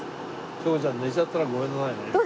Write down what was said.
翔子ちゃん寝ちゃったらごめんなさいね。